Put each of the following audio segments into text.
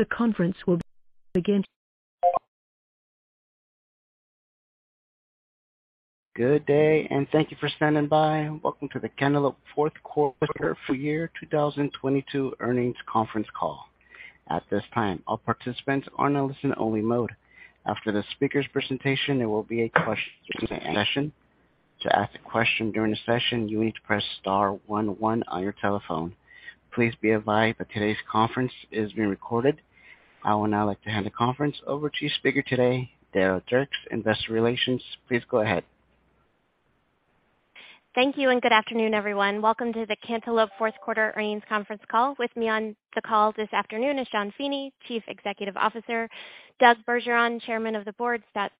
The conference will begin. Good day, and thank you for standing by. Welcome to the Cantaloupe Q4 Full Year 2022 Earnings Conference Call. At this time, all participants are in a listen only mode. After the speaker's presentation, there will be a question session. To ask a question during the session, you need to press star one one on your telephone. Please be advised that today's conference is being recorded. I would now like to hand the conference over to chief speaker today, Dara Dierks, Investor Relations. Please go ahead. Thank you and good afternoon, everyone. Welcome to the Cantaloupe Q4 earnings conference call. With me on the call this afternoon is Sean Feeney, Chief Executive Officer, Doug Bergeron, Chairman of the Board, Scott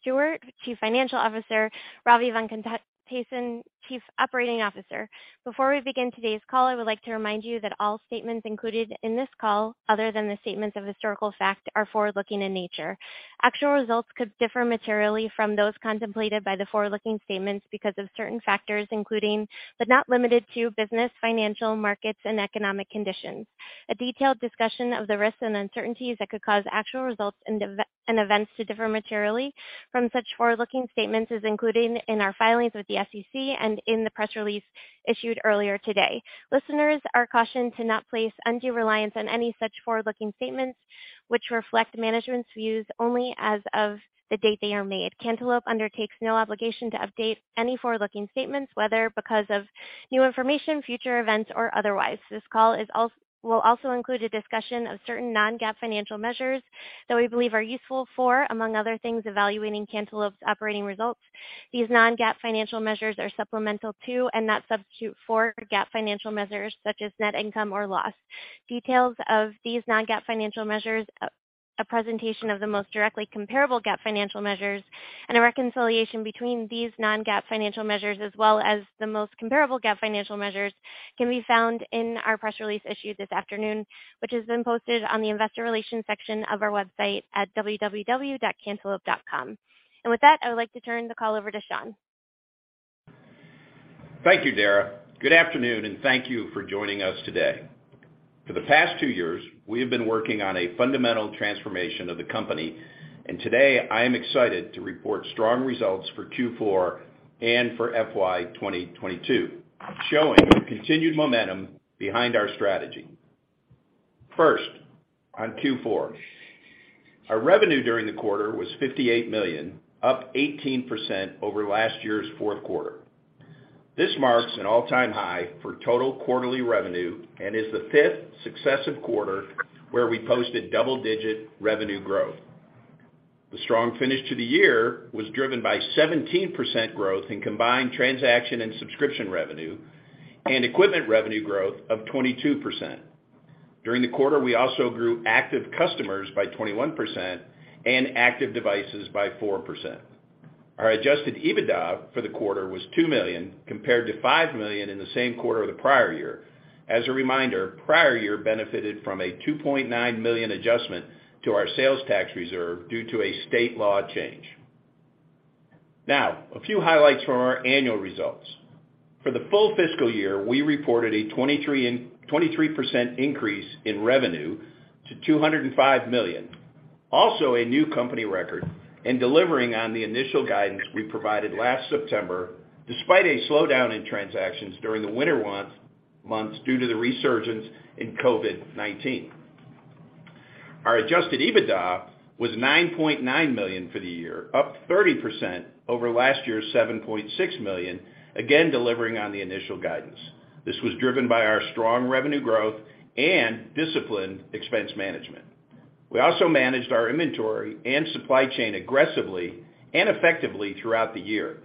Stewart, Chief Financial Officer, Ravi Venkatesan, Chief Operating Officer. Before we begin today's call, I would like to remind you that all statements included in this call, other than the statements of historical fact, are forward-looking in nature. Actual results could differ materially from those contemplated by the forward-looking statements because of certain factors, including, but not limited to, business, financial, markets, and economic conditions. A detailed discussion of the risks and uncertainties that could cause actual results and events to differ materially from such forward-looking statements is included in our filings with the SEC and in the press release issued earlier today. Listeners are cautioned to not place undue reliance on any such forward-looking statements, which reflect management's views only as of the date they are made. Cantaloupe undertakes no obligation to update any forward-looking statements, whether because of new information, future events, or otherwise. This call will also include a discussion of certain non-GAAP financial measures that we believe are useful for, among other things, evaluating Cantaloupe's operating results. These non-GAAP financial measures are supplemental to and not substitute for GAAP financial measures such as net income or loss. Details of these non-GAAP financial measures, a presentation of the most directly comparable GAAP financial measures and a reconciliation between these non-GAAP financial measures, as well as the most comparable GAAP financial measures, can be found in our press release issued this afternoon, which has been posted on the investor relations section of our website at www.cantaloupe.com. With that, I would like to turn the call over to Sean. Thank you, Dara. Good afternoon, and thank you for joining us today. For the past two years, we have been working on a fundamental transformation of the company. Today, I am excited to report strong results for Q4 and for FY 2022, showing continued momentum behind our strategy. First, on Q4. Our revenue during the quarter was $58 million, up 18% over last year's Q4. This marks an all-time high for total quarterly revenue and is the fifth successive quarter where we posted double-digit revenue growth. The strong finish to the year was driven by 17% growth in combined transaction and subscription revenue and equipment revenue growth of 22%. During the quarter, we also grew active customers by 21% and active devices by 4%. Our adjusted EBITDA for the quarter was $2 million, compared to $5 million in the same quarter of the prior year. As a reminder, prior year benefited from a $2.9 million adjustment to our sales tax reserve due to a state law change. Now, a few highlights from our annual results. For the full fiscal year, we reported a 23% increase in revenue to $205 million. Also a new company record in delivering on the initial guidance we provided last September, despite a slowdown in transactions during the winter months due to the resurgence in COVID-19. Our adjusted EBITDA was $9.9 million for the year, up 30% over last year's $7.6 million, again, delivering on the initial guidance. This was driven by our strong revenue growth and disciplined expense management. We also managed our inventory and supply chain aggressively and effectively throughout the year.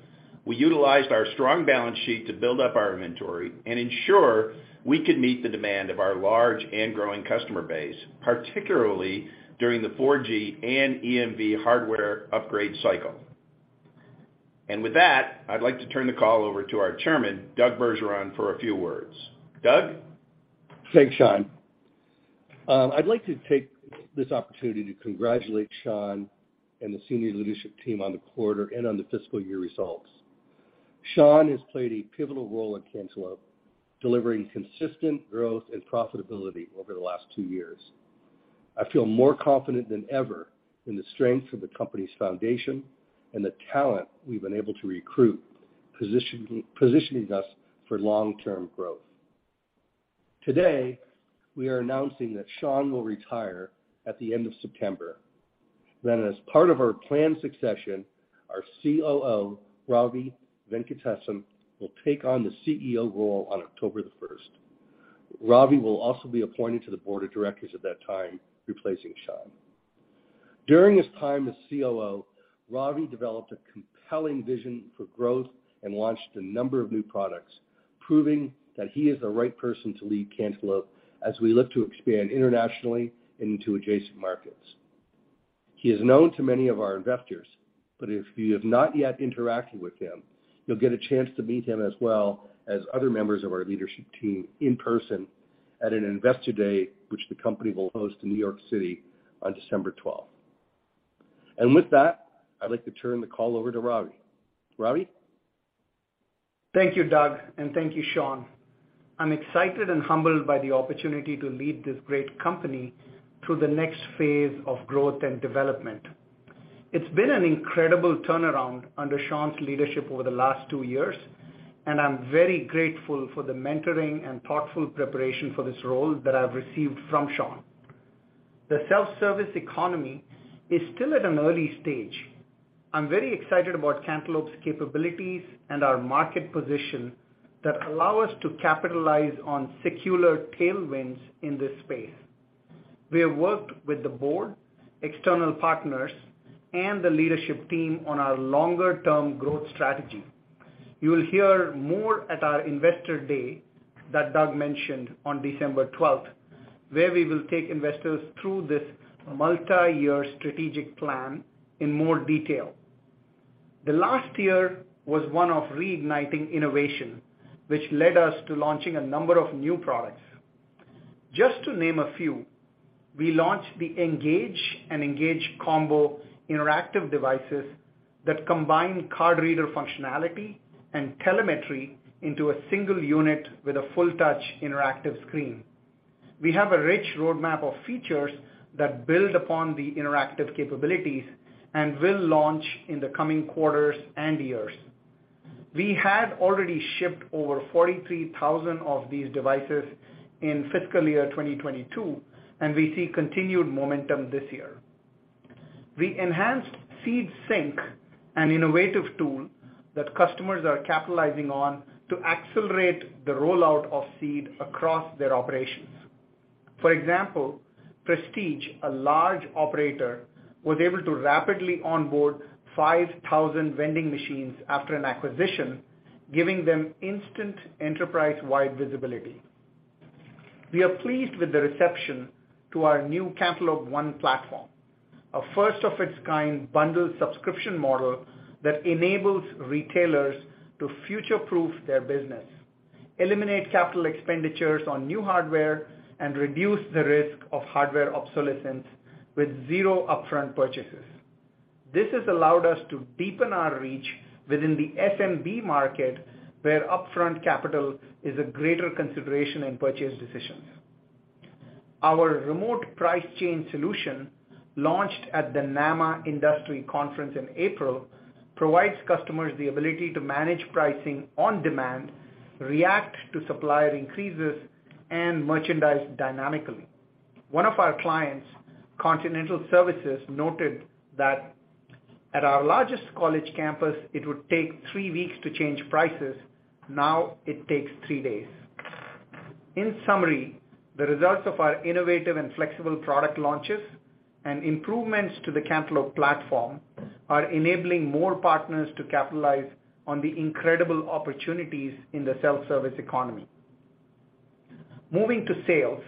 We utilized our strong balance sheet to build up our inventory and ensure we could meet the demand of our large and growing customer base, particularly during the 4G and EMV hardware upgrade cycle. With that, I'd like to turn the call over to our Chairman, Doug Bergeron, for a few words. Doug? Thanks, Sean. I'd like to take this opportunity to congratulate Sean and the senior leadership team on the quarter and on the fiscal year results. Sean has played a pivotal role at Cantaloupe, delivering consistent growth and profitability over the last two years. I feel more confident than ever in the strength of the company's foundation and the talent we've been able to recruit, positioning us for long-term growth. Today, we are announcing that Sean will retire at the end of September. As part of our planned succession, our COO, Ravi Venkatesan, will take on the CEO role on October 1. Ravi will also be appointed to the board of directors at that time, replacing Sean. During his time as COO, Ravi developed a compelling vision for growth and launched a number of new products, proving that he is the right person to lead Cantaloupe as we look to expand internationally into adjacent markets. He is known to many of our investors, but if you have not yet interacted with him, you'll get a chance to meet him as well as other members of our leadership team in person at an Investor Day, which the company will host in New York City on December twelfth. With that, I'd like to turn the call over to Ravi. Ravi? Thank you, Doug, and thank you, Sean. I'm excited and humbled by the opportunity to lead this great company through the next phase of growth and development. It's been an incredible turnaround under Sean's leadership over the last two years, and I'm very grateful for the mentoring and thoughtful preparation for this role that I've received from Sean. The self-service economy is still at an early stage. I'm very excited about Cantaloupe's capabilities and our market position that allow us to capitalize on secular tailwinds in this space. We have worked with the board, external partners, and the leadership team on our longer-term growth strategy. You will hear more at our investor day that Doug mentioned on December twelfth, where we will take investors through this multi-year strategic plan in more detail. The last year was one of reigniting innovation, which led us to launching a number of new products. Just to name a few, we launched the Engage and Engage Combo interactive devices that combine card reader functionality and telemetry into a single unit with a full-touch interactive screen. We have a rich roadmap of features that build upon the interactive capabilities and will launch in the coming quarters and years. We had already shipped over 43,000 of these devices in fiscal year 2022, and we see continued momentum this year. We enhanced Seed Sync, an innovative tool that customers are capitalizing on to accelerate the rollout of Seed across their operations. For example, Prestige, a large operator, was able to rapidly onboard 5,000 vending machines after an acquisition, giving them instant enterprise-wide visibility. We are pleased with the reception to our new Cantaloupe ONE platform, a first-of-its-kind bundled subscription model that enables retailers to future-proof their business, eliminate capital expenditures on new hardware, and reduce the risk of hardware obsolescence with zero upfront purchases. This has allowed us to deepen our reach within the SMB market, where upfront capital is a greater consideration in purchase decisions. Our remote price change solution, launched at the NAMA Industry Conference in April, provides customers the ability to manage pricing on demand, react to supplier increases, and merchandise dynamically. One of our clients, Continental Services, noted that at our largest college campus, it would take three weeks to change prices. Now it takes three days. In summary, the results of our innovative and flexible product launches and improvements to the Cantaloupe platform are enabling more partners to capitalize on the incredible opportunities in the self-service economy. Moving to sales,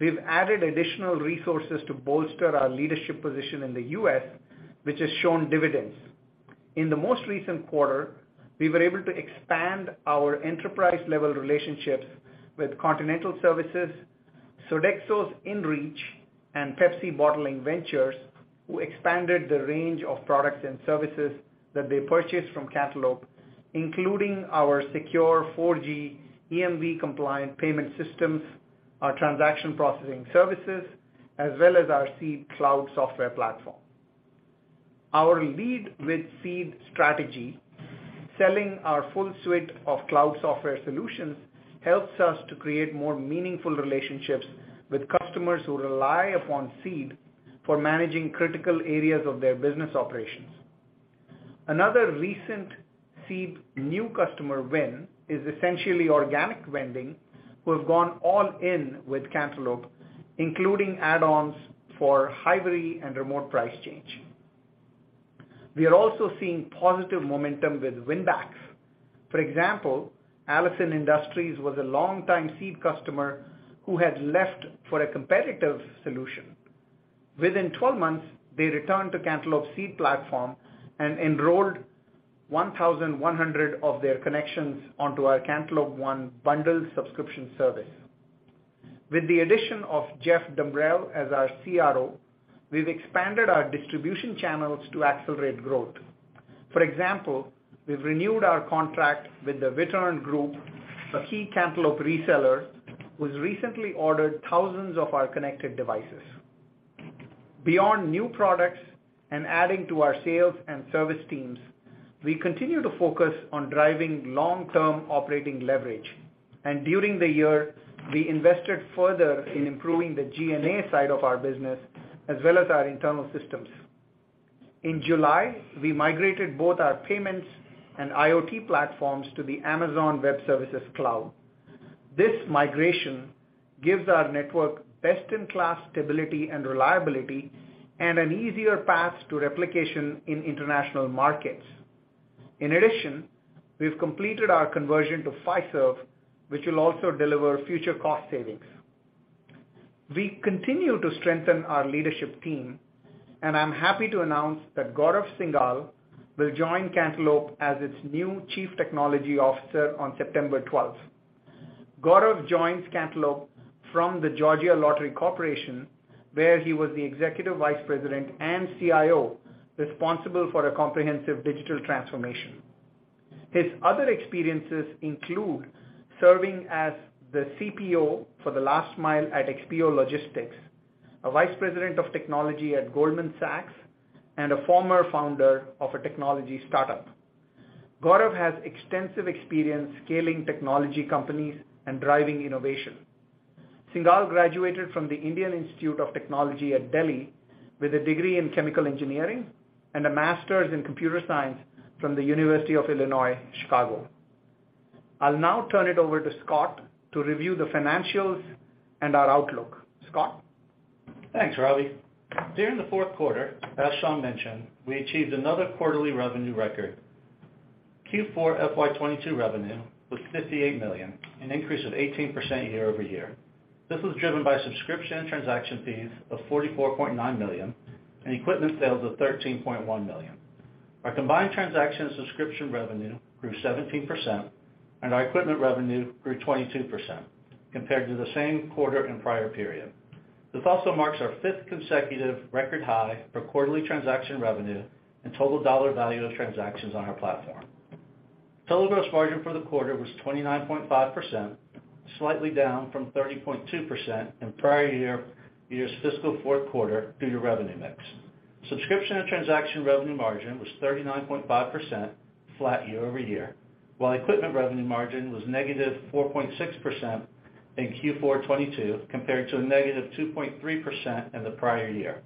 we've added additional resources to bolster our leadership position in the U.S., which has shown dividends. In the most recent quarter, we were able to expand our enterprise-level relationships with Continental Services, Sodexo's InReach, and Pepsi Bottling Ventures, who expanded the range of products and services that they purchased from Cantaloupe, including our secure 4G EMV-compliant payment systems, our transaction processing services, as well as our Seed Cloud software platform. Our lead with Seed strategy, selling our full suite of cloud software solutions, helps us to create more meaningful relationships with customers who rely upon Seed for managing critical areas of their business operations. Another recent Seed new customer win is Essentially Organic, who have gone all in with Cantaloupe, including add-ons for Hy-Vee and remote price change. We are also seeing positive momentum with winbacks. For example, Allison Industries was a longtime Seed customer who had left for a competitive solution. Within 12 months, they returned to Cantaloupe Seed platform and enrolled 1,100 of their connections onto our Cantaloupe One bundled subscription service. With the addition of Jeff Dumbrell as our CRO, we've expanded our distribution channels to accelerate growth. For example, we've renewed our contract with the VET Group, a key Cantaloupe reseller, who's recently ordered thousands of our connected devices. Beyond new products and adding to our sales and service teams, we continue to focus on driving long-term operating leverage. During the year, we invested further in improving the G&A side of our business, as well as our internal systems. In July, we migrated both our payments and IoT platforms to the Amazon Web Services cloud. This migration gives our network best-in-class stability and reliability and an easier path to replication in international markets. In addition, we've completed our conversion to Fiserv, which will also deliver future cost savings. We continue to strengthen our leadership team, and I'm happy to announce that Gaurav Singhal will join Cantaloupe as its new Chief Technology Officer on September 12. Gaurav joins Cantaloupe from the Georgia Lottery Corporation, where he was the Executive Vice President and CIO responsible for a comprehensive digital transformation. His other experiences include serving as the CPO for the last mile at XPO Logistics, a Vice President of Technology at Goldman Sachs, and a former founder of a technology startup. Gaurav has extensive experience scaling technology companies and driving innovation. Singal graduated from the Indian Institute of Technology at Delhi with a degree in chemical engineering and a master's in computer science from the University of Illinois Chicago. I'll now turn it over to Scott to review the financials and our outlook. Scott? Thanks, Ravi. During the Q4, as Sean mentioned, we achieved another quarterly revenue record. Q4 FY 2022 revenue was $58 million, an increase of 18% year-over-year. This was driven by subscription and transaction fees of $44.9 million and equipment sales of $13.1 million. Our combined transaction subscription revenue grew 17%, and our equipment revenue grew 22% compared to the same quarter and prior period. This also marks our fifth consecutive record high for quarterly transaction revenue and total dollar value of transactions on our platform. Total gross margin for the quarter was 29.5%, slightly down from 30.2% in prior year's fiscal Q4 due to revenue mix. Subscription and transaction revenue margin was 39.5% flat year-over-year, while equipment revenue margin was -4.6% in Q4 2022 compared to -2.3% in the prior year.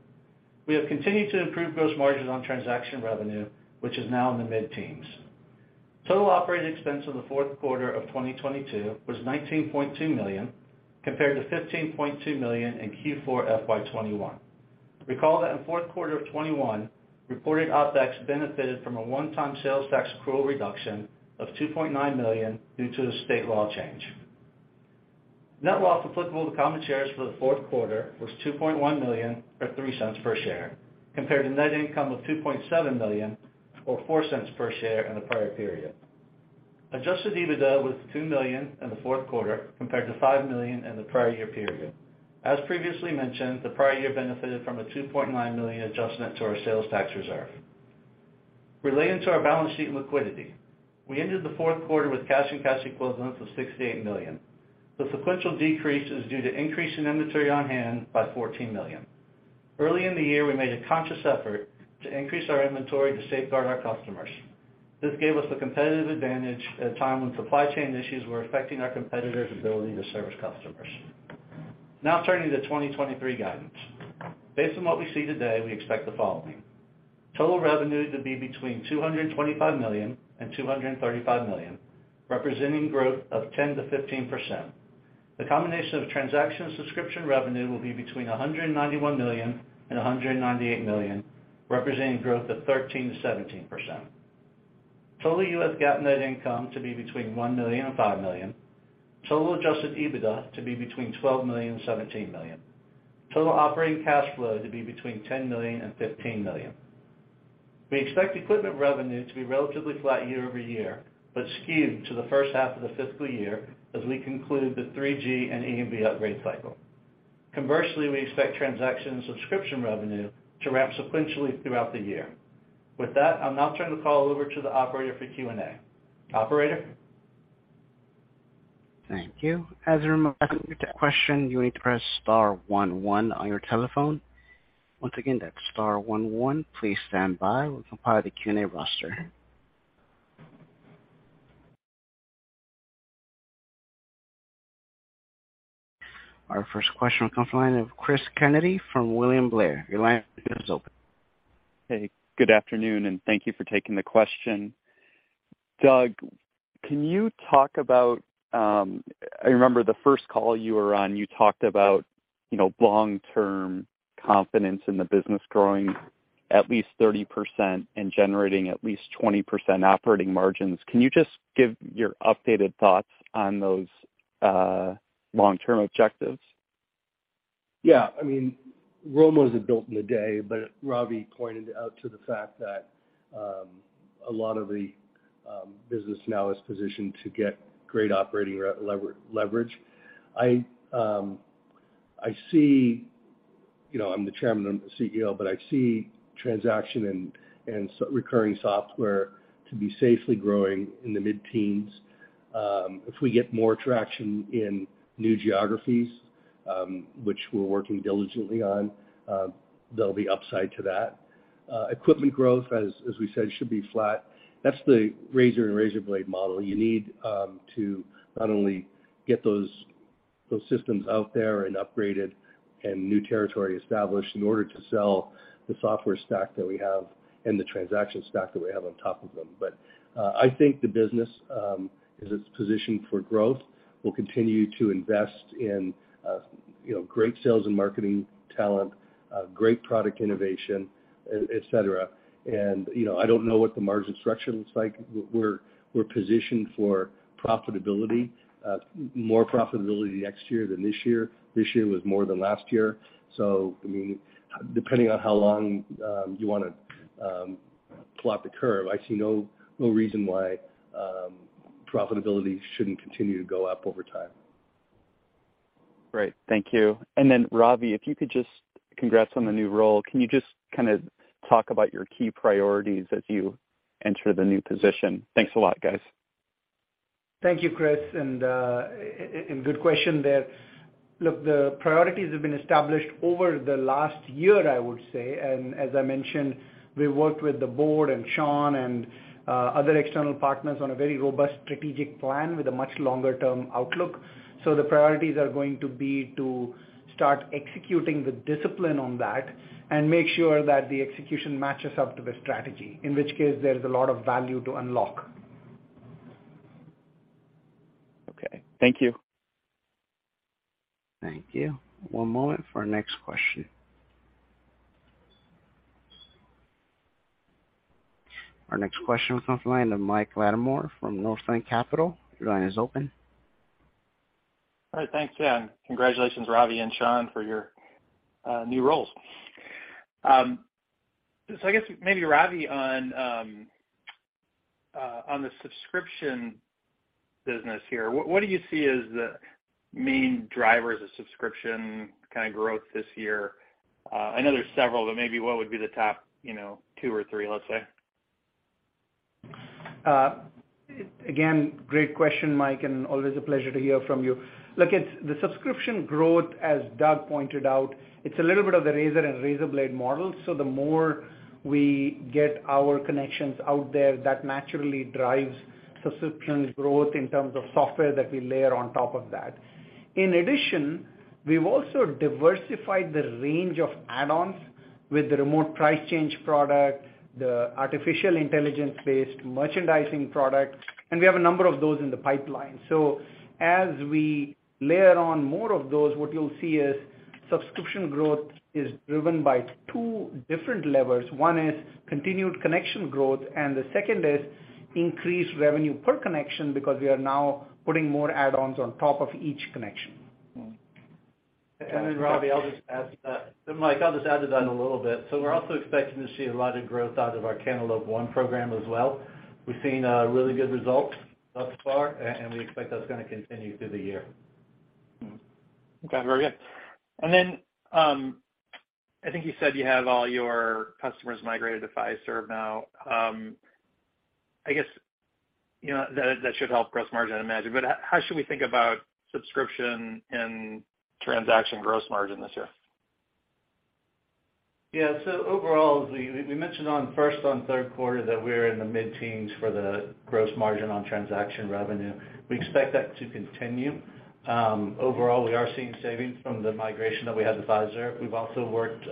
We have continued to improve gross margins on transaction revenue, which is now in the mid-teens. Total operating expense in the Q4 of 2022 was $19.2 million compared to $15.2 million in Q4 FY 2021. Recall that in Q4 of 2021, reported OpEx benefited from a one-time sales tax accrual reduction of $2.9 million due to the state law change. Net loss applicable to common shares for the Q4 was $2.1 million, or $0.03 per share, compared to net income of $2.7 million or $0.04 per share in the prior period. Adjusted EBITDA was $2 million in the Q4 compared to $5 million in the prior year period. As previously mentioned, the prior year benefited from a $2.9 million adjustment to our sales tax reserve. Relating to our balance sheet and liquidity, we ended the Q4 with cash and cash equivalents of $68 million. The sequential decrease is due to increase in inventory on hand by $14 million. Early in the year, we made a conscious effort to increase our inventory to safeguard our customers. This gave us the competitive advantage at a time when supply chain issues were affecting our competitors' ability to service customers. Now turning to the 2023 guidance. Based on what we see today, we expect the following. Total revenue to be between $225 and 235 million, representing growth of 10% to 15%. The combination of transaction subscription revenue will be between $191 and 198 million, representing growth of 13% to 17%. Total U.S. GAAP net income to be between $1 and 5 million. Total adjusted EBITDA to be between $12 and 17 million. Total operating cash flow to be between $10 and 15 million. We expect equipment revenue to be relatively flat year-over-year, but skewed to the first half of the fiscal year as we conclude the 3G and EMV upgrade cycle. Commercially, we expect transaction subscription revenue to ramp sequentially throughout the year. With that, I'll now turn the call over to the operator for Q&A. Operator? Thank you. As a reminder, to ask a question, you will need to press star one one on your telephone. Once again, that's star one one. Please stand by. We'll compile the Q&A roster. Our first question will come from the line of Christopher Kennedy from William Blair. Your line is open. Hey, good afternoon, and thank you for taking the question. Doug, can you talk about, I remember the first call you were on, you talked about, you know, long-term confidence in the business growing at least 30% and generating at least 20% operating margins. Can you just give your updated thoughts on those, long-term objectives? Yeah. I mean, Rome wasn't built in a day, but Ravi pointed out the fact that a lot of the business now is positioned to get great operating leverage. I see. You know, I'm the Chairman, I'm the CEO, but I see transaction and recurring software to be safely growing in the mid-teens. If we get more traction in new geographies, which we're working diligently on, there'll be upside to that. Equipment growth, as we said, should be flat. That's the razor and razor blade model. You need to not only get those systems out there and upgraded and new territory established in order to sell the software stack that we have and the transaction stack that we have on top of them. I think the business is positioned for growth. We'll continue to invest in, you know, great sales and marketing talent, great product innovation, et cetera. You know, I don't know what the margin structure looks like. We're positioned for profitability, more profitability next year than this year. This year was more than last year. I mean, depending on how long you wanna Plot the curve, I see no reason why profitability shouldn't continue to go up over time. Great. Thank you. Ravi, congrats on the new role. Can you just kinda talk about your key priorities as you enter the new position? Thanks a lot, guys. Thank you, Chris, and good question there. Look, the priorities have been established over the last year, I would say, and as I mentioned, we worked with the board and Sean and other external partners on a very robust strategic plan with a much longer-term outlook. The priorities are going to be to start executing the discipline on that and make sure that the execution matches up to the strategy, in which case there is a lot of value to unlock. Okay. Thank you. Thank you. One moment for our next question. Our next question comes from the line of Mike Latimore from Northland Capital Markets. Your line is open. All right, thanks. Yeah, congratulations, Ravi and Sean, for your new roles. I guess maybe Ravi, on the subscription business here, what do you see as the main driver as a subscription kind of growth this year? I know there's several, but maybe what would be the top, you know, two or three, let's say? Again, great question, Mike, and always a pleasure to hear from you. Look, it's the subscription growth, as Doug pointed out, it's a little bit of the razor and razor blade model. The more we get our connections out there, that naturally drives subscription growth in terms of software that we layer on top of that. In addition, we've also diversified the range of add-ons with the remote price change product, the artificial intelligence-based merchandising product, and we have a number of those in the pipeline. As we layer on more of those, what you'll see is subscription growth is driven by two different levers. One is continued connection growth, and the second is increased revenue per connection because we are now putting more add-ons on top of each connection. Ravi, I'll just add to that. Mike, I'll just add to that a little bit. We're also expecting to see a lot of growth out of our Cantaloupe ONE program as well. We've seen really good results thus far, and we expect that's gonna continue through the year. Okay. Very good. I think you said you have all your customers migrated to Fiserv now. I guess, you know, that should help gross margin, I imagine. How should we think about subscription and transaction gross margin this year? Yeah. Overall, we mentioned on first and Q3 that we're in the mid-teens for the gross margin on transaction revenue. We expect that to continue. Overall, we are seeing savings from the migration that we had to Fiserv. We've also worked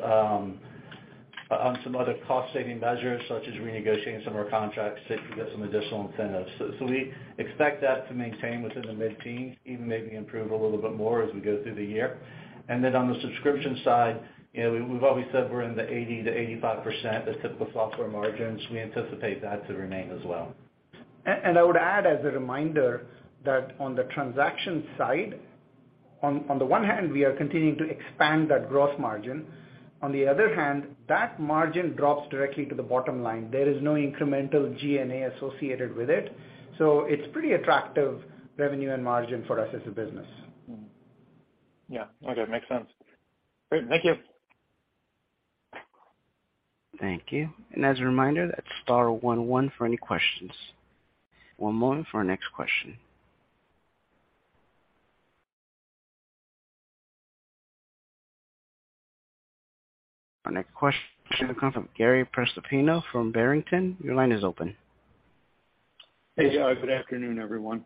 on some other cost-saving measures, such as renegotiating some of our contracts to get some additional incentives. We expect that to maintain within the mid-teens, even maybe improve a little bit more as we go through the year. On the subscription side, you know, we've always said we're in the 80%-85%, the typical software margins. We anticipate that to remain as well. I would add as a reminder that on the transaction side, on the one hand, we are continuing to expand that gross margin. On the other hand, that margin drops directly to the bottom line. There is no incremental G&A associated with it, so it's pretty attractive revenue and margin for us as a business. Yeah. Okay. Makes sense. Great. Thank you. Thank you. As a reminder, that's star one one for any questions. One moment for our next question. Our next question comes from Gary Prestopino from Barrington. Your line is open. Hey. Good afternoon, everyone.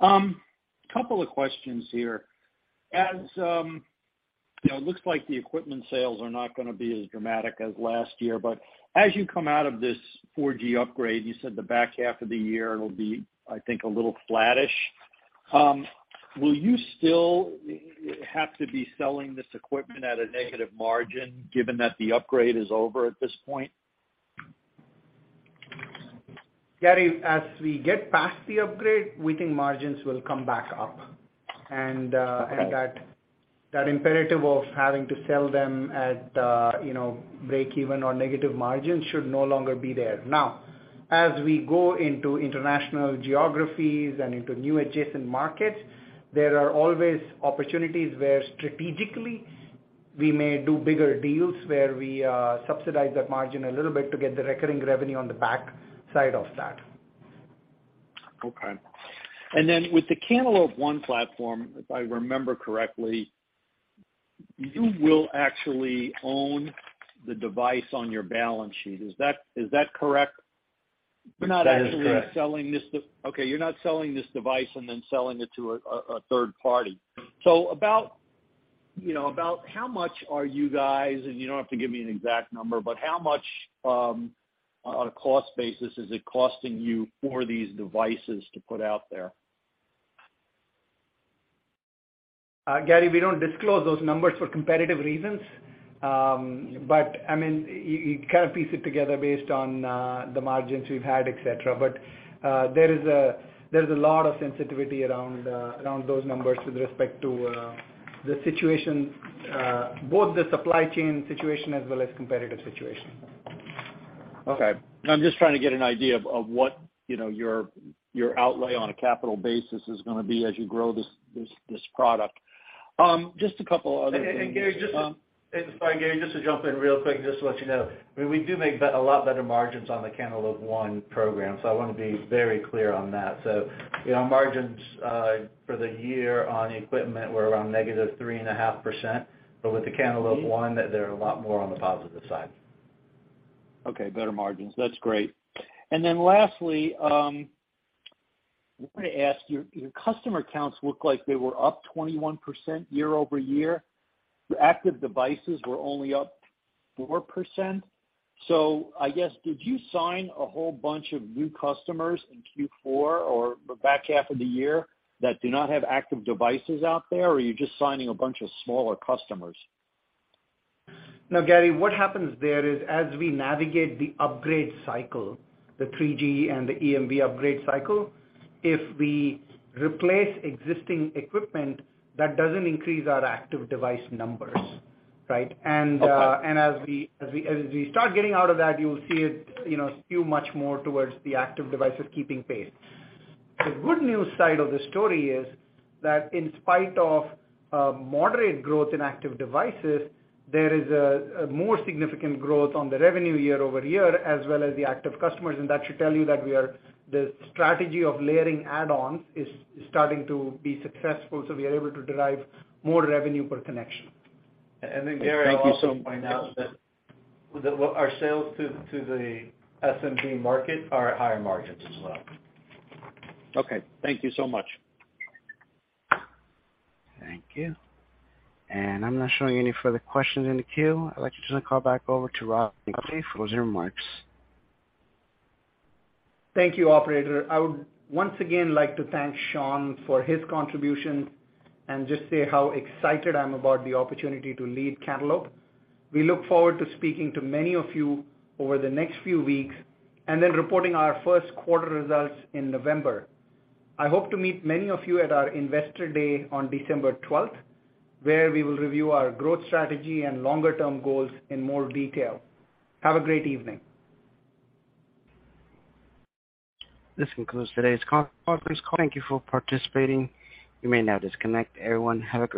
Couple of questions here. As you know, it looks like the equipment sales are not gonna be as dramatic as last year, but as you come out of this 4G upgrade, you said the back half of the year it'll be, I think, a little flattish. Will you still have to be selling this equipment at a negative margin given that the upgrade is over at this point? Gary, as we get past the upgrade, we think margins will come back up. Okay. That imperative of having to sell them at break even or negative margin should no longer be there. Now, as we go into international geographies and into new adjacent markets, there are always opportunities where strategically we may do bigger deals where we subsidize that margin a little bit to get the recurring revenue on the back side of that. Okay. With the Cantaloupe ONE platform, if I remember correctly, you will actually own the device on your balance sheet. Is that correct? That is correct. You're not actually selling this. Okay, you're not selling this device and then selling it to a third party. About, you know, about how much are you guys, and you don't have to give me an exact number, but how much on a cost basis is it costing you for these devices to put out there? Gary, we don't disclose those numbers for competitive reasons. I mean, you kind of piece it together based on the margins we've had, et cetera. There is a lot of sensitivity around those numbers with respect to the situation, both the supply chain situation as well as competitive situation. Okay. I'm just trying to get an idea of what, you know, your outlay on a capital basis is gonna be as you grow this product. Just a couple other things, Gary, just to jump in real quick, just to let you know, I mean, we do make a lot better margins on the Cantaloupe ONE program, so I wanna be very clear on that. Our margins for the year on equipment were around -3.5%, but with the Cantaloupe ONE, they're a lot more on the positive side. Okay, better margins. That's great. Lastly, I'm gonna ask, your customer counts look like they were up 21% year-over-year. Your active devices were only up 4%. I guess, did you sign a whole bunch of new customers in Q4 or the back half of the year that do not have active devices out there? Or are you just signing a bunch of smaller customers? No, Gary, what happens there is as we navigate the upgrade cycle, the 3G and the EMV upgrade cycle, if we replace existing equipment, that doesn't increase our active device numbers, right? Okay. As we start getting out of that, you'll see it, you know, skew much more towards the active devices keeping pace. The good news side of the story is that in spite of moderate growth in active devices, there is a more significant growth on the revenue year over year as well as the active customers, and that should tell you that we are. The strategy of layering add-ons is starting to be successful, so we are able to derive more revenue per connection. Thank you. Gary, I'd also point out that the, our sales to the SMB market are at higher margins as well. Okay, thank you so much. Thank you. I'm not showing any further questions in the queue. I'd like to turn the call back over to Ravi for closing remarks. Thank you, operator. I would once again like to thank Sean for his contribution and just say how excited I'm about the opportunity to lead Cantaloupe. We look forward to speaking to many of you over the next few weeks and then reporting our first quarter results in November. I hope to meet many of you at our Investor Day on December twelfth, where we will review our growth strategy and longer term goals in more detail. Have a great evening. This concludes today's conference call. Thank you for participating. You may now disconnect. Everyone, have a good night.